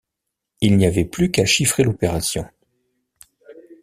Il n’y avait plus qu’à chiffrer l’opération